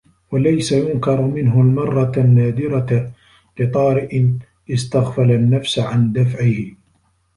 وَلَيْسَ يُنْكَرُ مِنْهُ الْمَرَّةَ النَّادِرَةَ لِطَارِئٍ اسْتَغْفَلَ النَّفْسَ عَنْ دَفْعِهِ